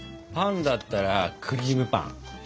パンだったらクリームパン。